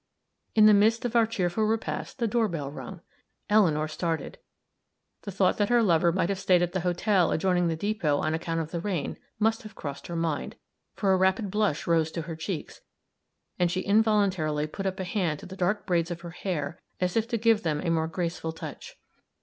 In the midst of our cheerful repast, the door bell rung. Eleanor started; the thought that her lover might have stayed at the hotel adjoining the depot on account of the rain, must have crossed her mind, for a rapid blush rose to her cheeks, and she involuntarily put up a hand to the dark braids of her hair as if to give them a more graceful touch.